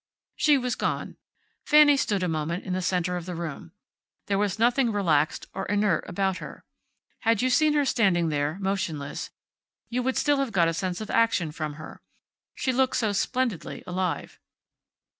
She was gone. Fanny stood a moment, in the center of the room. There was nothing relaxed or inert about her. Had you seen her standing there, motionless, you would still have got a sense of action from her. She looked so splendidly alive.